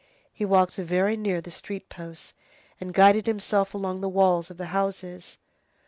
He walked very near the street posts, and guided himself along the walls of the houses.